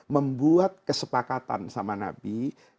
membuat kesepakatan sama nabi